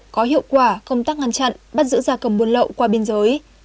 có hiệu quả công tác ngăn chặn bắt giữ gia cầm buôn lậu qua biên giới